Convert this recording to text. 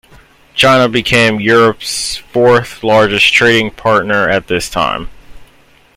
China became Europe's fourth largest trading partner at this time.